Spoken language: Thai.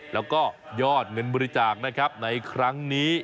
แล้วก็ยอดเงินบริจาคนะครับในครั้งนี้